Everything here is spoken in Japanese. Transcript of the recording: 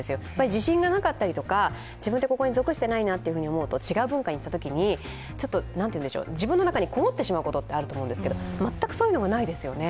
自信がなかったりとか、自分がここに属していないなとか思うと違う文化にいったときに自分の中にこもってしまうことってあると思うんですけど全くそういうのがないですよね。